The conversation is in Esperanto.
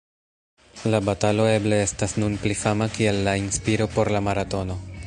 La batalo eble estas nun pli fama kiel la inspiro por la maratono.